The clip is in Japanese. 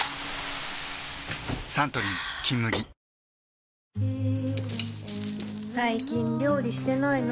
サントリー「金麦」最近料理してないの？